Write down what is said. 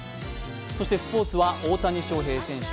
そしてスポーツは大谷翔平選手。